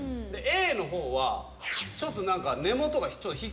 Ａのほうはちょっと何か根元が。